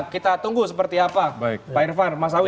kita tunggu seperti apa pak irfan mas awi